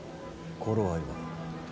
頃合いは。